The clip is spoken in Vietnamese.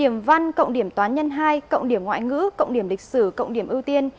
năm cộng điểm toán nhân hai cộng điểm ngoại ngữ cộng điểm lịch sử cộng điểm ưu tiên